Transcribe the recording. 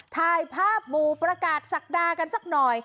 ถ่ายภาพหมู่ประกาศศักดากันสักหน่อย